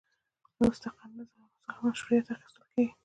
له مستقر نظم څخه مشروعیت اخیستل کیږي.